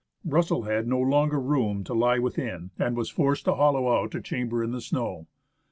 Russell had no longer room to lie within, and was forced to hollow out a chamber in the snow.